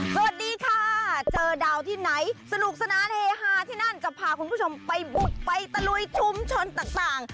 สวัสดีค่ะเจอดาวที่ไหนสนุกสนานเฮฮาที่นั่นจะพาคุณผู้ชมไปบุกไปตะลุยชุมชนต่าง